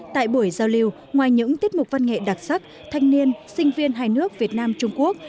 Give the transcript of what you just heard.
tại buổi giao lưu ngoài những tiết mục văn nghệ đặc sắc thanh niên sinh viên hai nước việt nam trung quốc